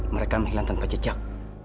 mereka menghilang tanpa jejak